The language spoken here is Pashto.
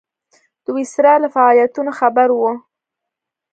ویسرا له فعالیتونو خبر وو.